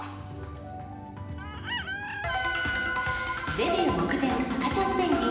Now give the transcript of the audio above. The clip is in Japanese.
デビュー目前、赤ちゃんペンギン。